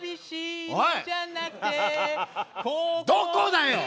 どこだよ！